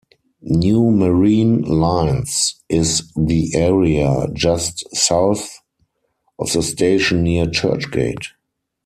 "New Marine Lines" is the area just south of the station near Churchgate.